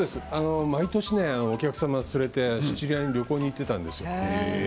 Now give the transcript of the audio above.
毎年、お客様を連れてシチリアに旅行に行っていたんです。